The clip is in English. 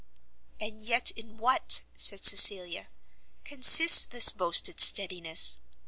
"And yet in what," said Cecilia, "consists this boasted steadiness?